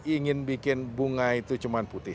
ingin bikin bunga itu cuma putih